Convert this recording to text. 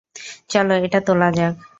চলো এটা তোলা যাক।